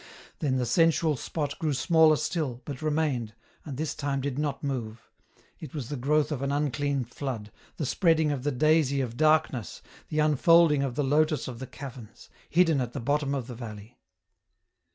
Then the sensual spot grew smaller still, but remained, and this time did not move ; it was the growth of an unclean flood, the spreading of the daisy of darkness, the unfolding of the lotos of the caverns, hidden at the bottom of the vaUey.